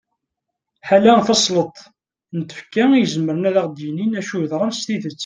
ḥala tasleḍt n tfekka i izemren ad aɣ-yinin acu yeḍran s tidet